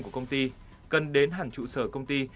của công ty cần đến hẳn trụ sở công ty